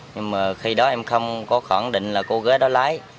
nhưng mà khi đó em không có khẳng định là cô gái đó lái